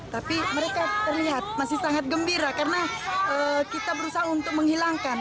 tapi mereka terlihat masih sangat gembira karena kita berusaha untuk menghilangkan